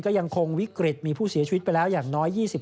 ก็ยังคงวิกฤตมีผู้เสียชีวิตไปแล้วอย่างน้อย